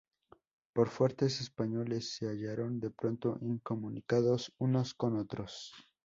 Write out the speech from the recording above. Los fuertes españoles se hallaron de pronto incomunicados unos con otros.